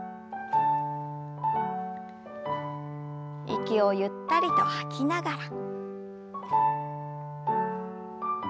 息をゆったりと吐きながら。